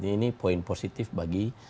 ini poin positif bagi